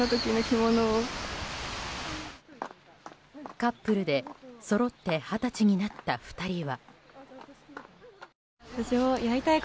カップルでそろって二十歳になった２人は。